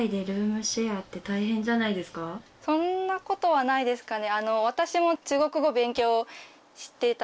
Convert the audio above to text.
そんなことはないですかね。